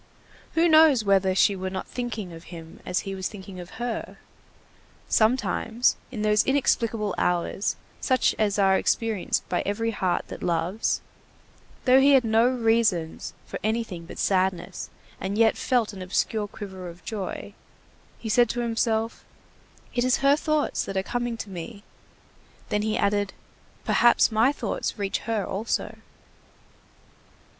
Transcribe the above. Who knows whether she were not thinking of him as he was thinking of her? Sometimes, in those inexplicable hours such as are experienced by every heart that loves, though he had no reasons for anything but sadness and yet felt an obscure quiver of joy, he said to himself: "It is her thoughts that are coming to me!" Then he added: "Perhaps my thoughts reach her also."